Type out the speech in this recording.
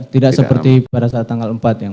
tidak seperti pada saat tanggal empat yang